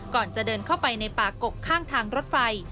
ก่อนจะเดินเข้าไปในป่ากกข้างทางรถไฟ